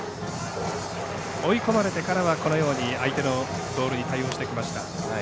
追い込まれてからは相手のボールに対応してきました。